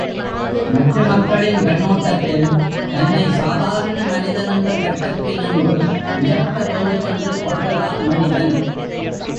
மற்ற மக்களின் கண்ணோட்டத்தில் தன்னை சாதாரண மனிதன் என்ற கட்டத்தினின்றும் உயர்த்த வேண்டுமென்று கொள்கிறான் மனிதன்.